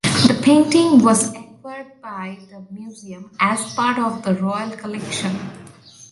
The painting was acquired by the Museum as part of the Royal Collection.